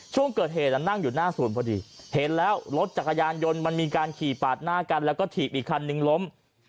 ช่วงเกิดเหตุนั่งอยู่หน้าศูนย์พอดีเห็นแล้วรถจักรยานยนต์มันมีการขี่ปาดหน้ากันแล้วก็ถีบอีกคันนึงล้ม